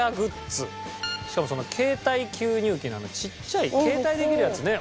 しかもその携帯吸入器のちっちゃい携帯できるやつね。